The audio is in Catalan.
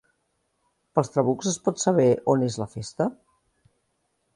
Pels trabucs es pot saber on és la festa?